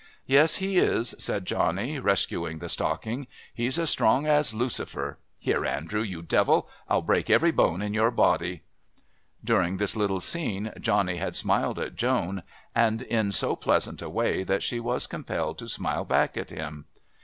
"Yes, he is," said Johnny, rescuing the stocking. "He's as strong as Lucifer. Here, Andrew, you devil, I'll break every bone in your body." During this little scene Johnny had smiled at Joan, and in so pleasant a way that she was compelled to smile back at him.